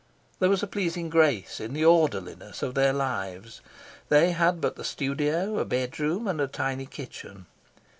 There was a pleasing grace in the orderliness of their lives. They had but the studio, a bedroom, and a tiny kitchen.